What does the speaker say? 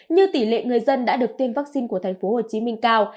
như tỷ lệ người dân đã được tiêm vaccine của tp hcm cao